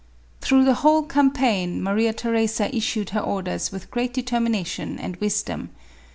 Through the whole campaign, Maria Theresa issued her orders with great determination and wisdom.